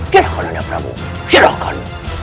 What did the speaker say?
kirakan nanda prabowo kirakan